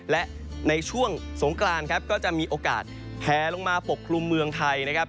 และในช่วงสงกรานครับก็จะมีโอกาสแพลลงมาปกคลุมเมืองไทยนะครับ